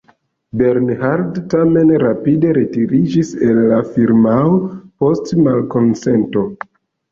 Bernhard tamen rapide retiriĝis el la firmao post malkonsento.